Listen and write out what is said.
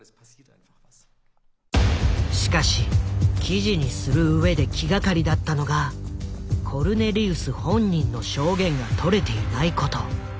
しかし記事にするうえで気がかりだったのがコルネリウス本人の証言がとれていないこと。